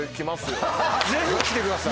ぜひ来てください！